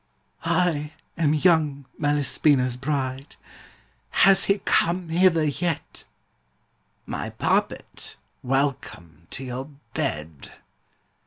'I am young Malespina's bride; Has he come hither yet?' 'My poppet, welcome to your bed.'